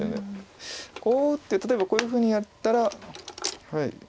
こう打って例えばこういうふうにやったら。